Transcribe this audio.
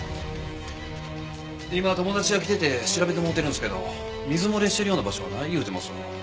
今友達が来てて調べてもろうてるんですけど水漏れしてるような場所はない言うてますわ。